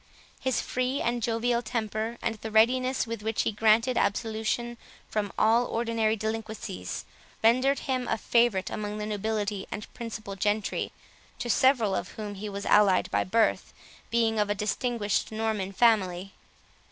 His free and jovial temper, and the readiness with which he granted absolution from all ordinary delinquencies, rendered him a favourite among the nobility and principal gentry, to several of whom he was allied by birth, being of a distinguished Norman family.